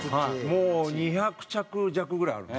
もう２００着弱ぐらいある。